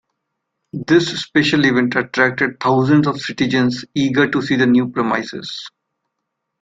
This special event attracted thousands of citizens eager to see the new premises.